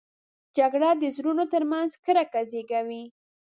جګړه د زړونو تر منځ کرکه زېږوي